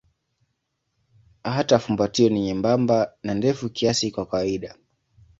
Hata fumbatio ni nyembamba na ndefu kiasi kwa kawaida.